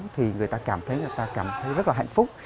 thì người ta cảm thấy rất là hạnh phúc